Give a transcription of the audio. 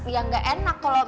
ya nggak enak kalau